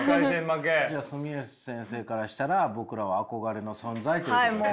じゃあ住吉先生からしたら僕らは憧れの存在ということですね。